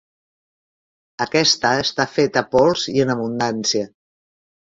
Aquesta està feta pols i en abundància.